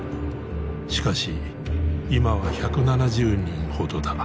しかし今は１７０人ほどだ。